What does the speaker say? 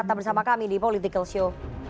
tetap bersama kami di politikalshow